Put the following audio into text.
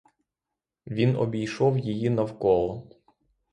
Він обійшов її навколо.